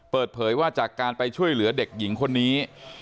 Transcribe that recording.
เปิดเผยว่าจากการไปช่วยเหลือเด็กหญิงคนนี้